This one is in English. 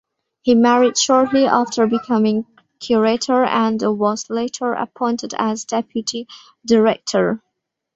He married shortly after becoming Curator and was later appointed as Deputy Director.